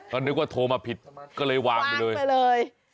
ตอนนึกว่าโทรมาผิดก็เลยวางไปเลย